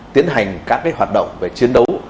tiến hành các hoạt động về chiến đấu